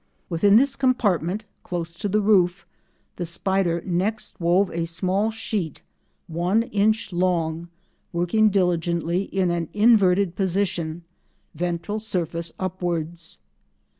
Within this compartment, close to the roof, the spider next wove a small sheet one inch long, working diligently in an inverted position, ventral surface upwards.